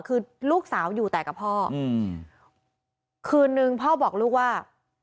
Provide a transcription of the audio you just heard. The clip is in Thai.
คือลูกสาวอยู่แต่กับพ่ออืมคืนนึงพ่อบอกลูกว่า